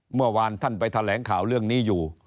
เมื่อวานท่านไปแถลงข่าวเรื่องนี้อยู่